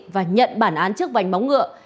và nhận bản án trước vành móng ngựa